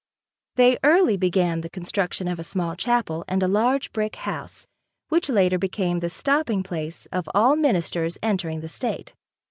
They early began the construction of a small chapel and a large brick house which later became the stopping place of all ministers entering the state.